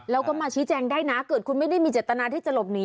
แล้วก็มาชี้แจงได้นะเกิดคุณไม่ได้มีเจตนาที่จะหลบหนี